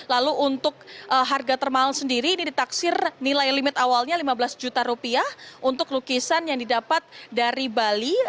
lalu untuk harga termahal sendiri ini ditaksir nilai limit awalnya lima belas juta rupiah untuk lukisan yang didapat dari bali